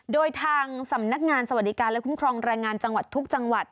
โดยทางสำนักงานสวัสดิการและคุ้มครองแรงงานจังหวัดทุกจังหวัด